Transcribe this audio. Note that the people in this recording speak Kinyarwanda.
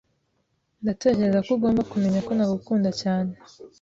Ndatekereza ko ugomba kumenya ko ntagukunda cyane.